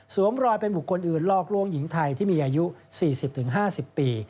รอยเป็นบุคคลอื่นลอกล่วงหญิงไทยที่มีอายุ๔๐๕๐ปี